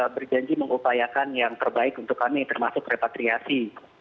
berjanji mengupayakan yang terbaik untuk kami termasuk repatriasi